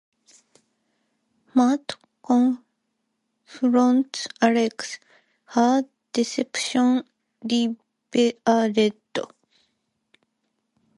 Matt confronts Alex, her deception revealed.